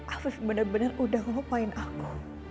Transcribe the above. afif bener bener udah ngopain aku